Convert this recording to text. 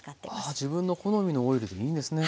ああ自分の好みのオイルでいいんですね。